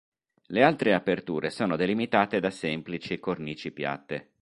Le altre aperture sono delimitate da semplici cornici piatte.